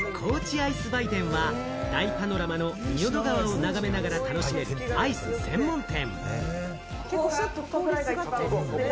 高知アイス売店は大パノラマの仁淀川を眺めながら楽しめるアイス専門店。